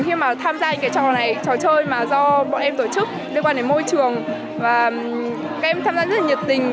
khi mà tham gia những cái trò này trò chơi mà do bọn em tổ chức liên quan đến môi trường và các em tham gia rất là nhiệt tình